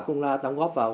cũng là đóng góp vào